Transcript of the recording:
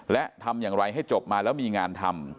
และทำอย่างไรให้จบมาแล้วมีงานทำ